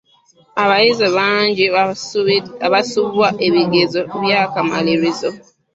Abayizi bangi abaasubwa ebigezo by'akamalirizo.